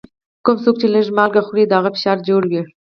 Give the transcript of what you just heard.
کوم څوک چي لږ مالګه خوري، د هغه فشار جوړ وي.